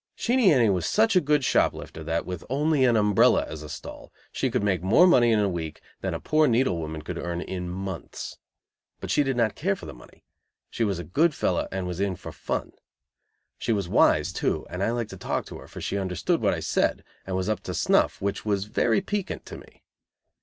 Sheenie Annie was such a good shop lifter that, with only an umbrella as a stall, she could make more money in a week than a poor needle woman could earn in months. But she did not care for the money. She was a good fellow, and was in for fun. She was "wise," too, and I liked to talk to her, for she understood what I said, and was up to snuff, which was very piquant to me.